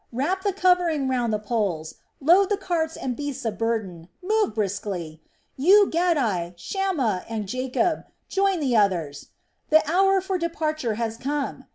Wrap the covering round the poles, load the carts and beasts of burden. Move briskly, You, Gaddi, Shamma, and Jacob, join the others! The hour for departure has come!